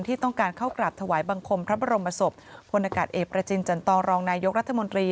ที่ต้องการเข้ากราบถวายบังคมพระบรมศพพลอากาศเอกประจินจันตรองนายกรัฐมนตรี